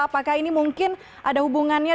apakah ini mungkin ada hubungannya